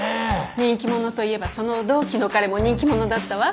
人気者といえばその同期の彼も人気者だったわ。